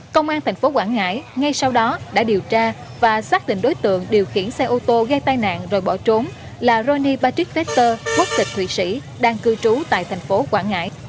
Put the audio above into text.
công an thành phố quảng ngãi ngay sau đó đã điều tra và xác định đối tượng điều khiển xe ô tô gây tai nạn rồi bỏ trốn là roni patricker quốc tịch thụy sĩ đang cư trú tại thành phố quảng ngãi